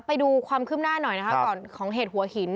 ไปดูความขึ้นหน้าหน่อยนะคะก่อนของเหตุหัวหิน